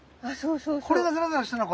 これがザラザラしてるのかな？